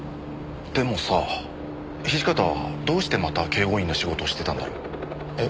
でもさ土方はどうしてまた警護員の仕事をしてたんだろう？え？